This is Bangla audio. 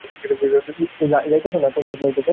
পাদ্রিকে দিতে যাব কেন!